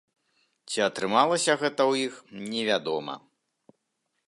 Ці атрымалася гэта ў іх, невядома.